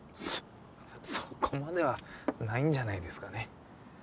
そこまではないんじゃないですかね